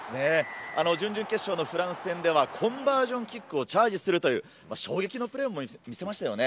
準々決勝のフランス戦では、コンバージョンキックをチャージするという衝撃のプレーも見せましたよね。